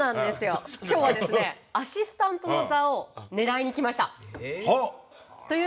今日はアシスタントの座を狙いにきました！